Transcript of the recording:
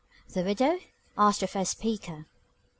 "The widow?" asked the first speaker.